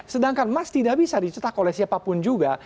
sedangkan emas tidak bisa dicetak oleh siapapun juga